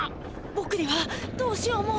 ぼくにはどうしようも。